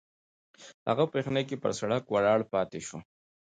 هغه په یخني کې پر سړک ولاړ پاتې شو.